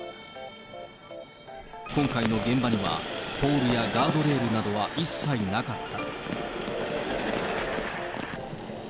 今回の現場には、ポールやガードレールなどは一切なかった。